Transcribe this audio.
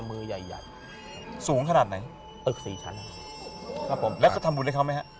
มือใหญ่สูงขนาดไหนตึก๔ชั้นครับครับผมแล้วก็ทำบุญได้เขามั้ยครับ